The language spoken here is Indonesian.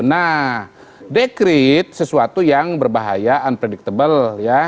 nah dekret sesuatu yang berbahaya unpredictable ya